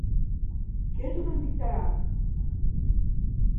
Кӧ тудым виктара?